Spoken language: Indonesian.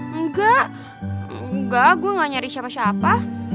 enggak enggak gue gak nyari siapa siapa